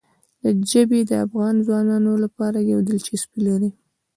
ژبې د افغان ځوانانو لپاره یوه دلچسپي لري.